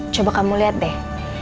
coba kamu lihat deh